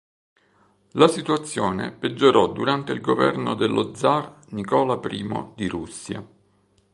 La situazione peggiorò durante il governo dello zar Nicola I di Russia.